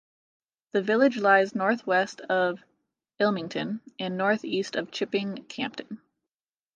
The village lies north-west of Ilmington and north-east of Chipping Campden.